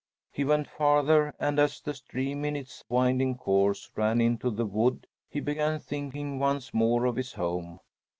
He went farther and, as the stream in its winding course ran into the wood, he began thinking once more of his home.